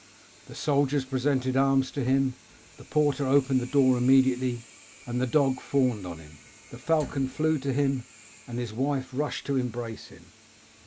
The soldiers presented arms to him, the porter opened immediately, the dog fawned on him, the falcon flew to him, and his wife rushed to embrace him.